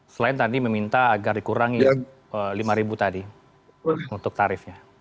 selain tadi meminta agar dikurangi rp lima tadi untuk tarifnya